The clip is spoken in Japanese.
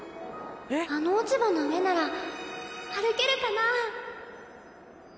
あの落ち葉の上なら歩けるかな？